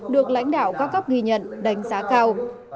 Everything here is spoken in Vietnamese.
được lãnh đạo các cấp ghi nhận đánh giá cao